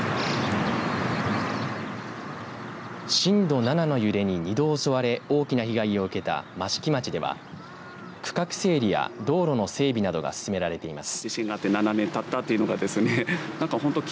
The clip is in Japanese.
震度７の揺れに２度襲われ大きな被害を受けた益城町では区画整理や道路の整備などが進められています。